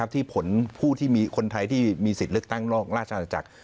ที่ผลผู้ที่มีคนไทยที่มีสิทธิ์เลือกตั้งนอกราชอาณาจักร